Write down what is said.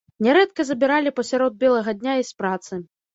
Нярэдка забіралі пасярод белага дня і з працы.